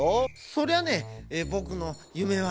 そりゃねぼくのゆめはね。